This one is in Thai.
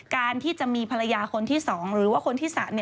การที่จะมีภรรยาคนที่๒หรือว่าคนที่๓